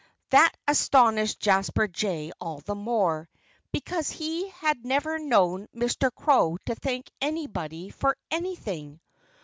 That astonished Jasper Jay all the more, because he had never known Mr. Crow to thank anybody for anything.